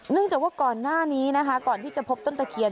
จากว่าก่อนหน้านี้นะคะก่อนที่จะพบต้นตะเคียน